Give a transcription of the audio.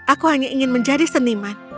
aku hanya ingin menjadi seniman